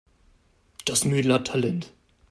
Das Mädel hat Talent.